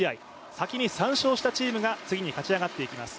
先に３勝したチームが次に勝ち上がっていきます。